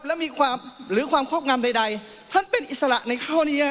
และมีความหรือความครอบงามใดท่านเป็นอิสระในข้อนี้